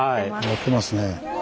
乗ってますね。